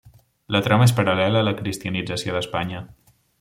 La trama és paral·lela a la cristianització d'Espanya.